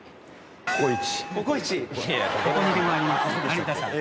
どこにでもあります。